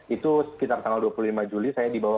itu sekitar tanggal dua puluh lima juli saya dibawa